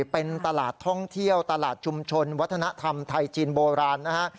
เป็นตลาดท่องเที่ยวตลาดชุมชนวัฒนธรรมไทยจีนโบราณนะฮะ